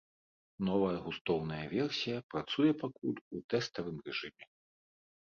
Новая густоўная версія працуе пакуль у тэставым рэжыме.